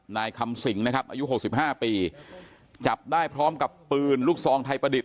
นายคำสิงห์นะครับอายุ๖๕ปีจับได้พร้อมกับปืนลูกทรองไทยประดิษฐ์